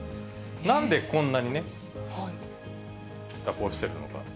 なんでこんなにね、蛇行しているのか。